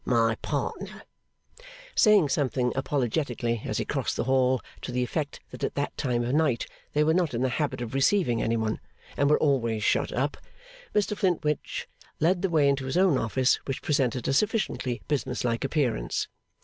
My partner.' Saying something apologetically as he crossed the hall, to the effect that at that time of night they were not in the habit of receiving any one, and were always shut up, Mr Flintwinch led the way into his own office, which presented a sufficiently business like appearance.